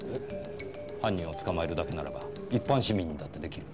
犯人を捕まえるだけならば一般市民にだってできる。